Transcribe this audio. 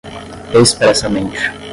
expressamente